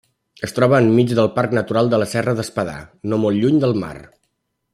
Es troba enmig del Parc Natural de la Serra d'Espadà, no molt lluny del mar.